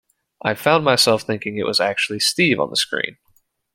I found myself thinking it was actually Steve on the screen.